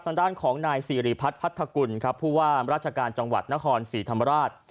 ทางด้านของนายสิริพัฒน์พัทธกุลครับผู้ว่ามราชการจังหวัดนครศรีธรรมราช